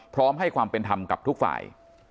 พร้อมให้ความเป็นธรรมกับทุกฝ่าย